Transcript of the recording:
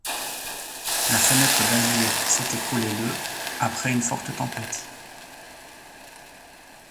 La Fenêtre d'Azur s'est écroulée le après une forte tempête.